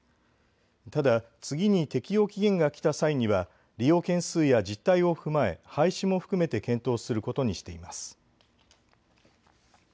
ただ、次に適用期限が来た際には利用件数や実態を踏まえ廃止も含めて検討することにしています。